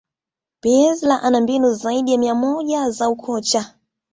bielsa ana mbinu zaidi ya mia moja za ukocha